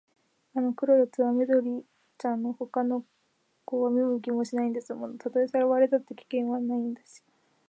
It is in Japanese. あの黒いやつは緑ちゃんのほかの子は見向きもしないんですもの。たとえさらわれたって、危険はないんだし、